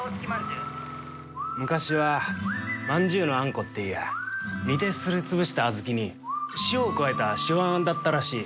昔は饅頭のあんこっていや煮てすり潰したあずきに塩を加えた塩あんだったらしい。